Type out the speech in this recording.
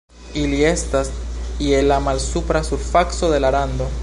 Ili estas je la malsupra surfaco de la rando.